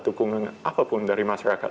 dukungan apapun dari masyarakat